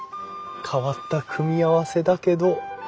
変わった組み合わせだけど。